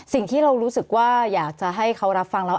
สิ่งที่เรารู้สึกว่าอยากจะให้เขารับฟังแล้ว